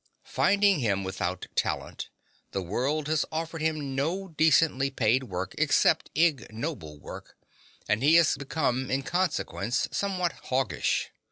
Finding him without talent, the world has offered him no decently paid work except ignoble work, and he has become in consequence, somewhat hoggish.